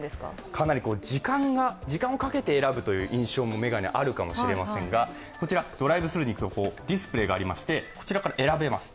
かなり時間をかけて選ぶという印象もあるかもしれませんが、ドライブスルーに行くとディスプレーがありましてこちらから選べます。